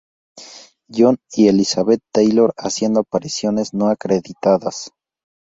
John y Elizabeth Taylor haciendo apariciones no acreditadas.